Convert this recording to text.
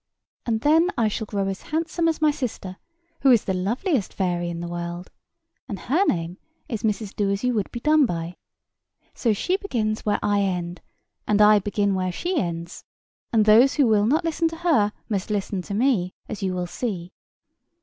And then I shall grow as handsome as my sister, who is the loveliest fairy in the world; and her name is Mrs. Doasyouwouldbedoneby. So she begins where I end, and I begin where she ends; and those who will not listen to her must listen to me, as you will see.